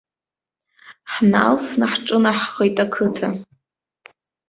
Ҳналсны ҳҿынаҳхеит ақыҭа.